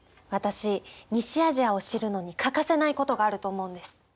私「西アジア」を知るのに欠かせないことがあると思うんです。